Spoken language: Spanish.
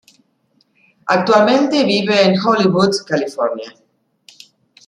Actualmente vive en Hollywood, California.